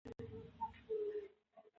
د تذکرې په درلودلو سره بانکي حساب خلاصیږي.